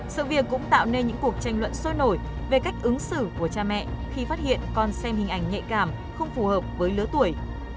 sự việc cũng tạo nên những cuộc tranh luận sôi nổi về cách ứng xử của cha mẹ khi phát hiện con xem hình ảnh nhạy cảm không phù hợp với lứa tuổi